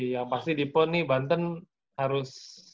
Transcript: yang pasti dipo nih banten harus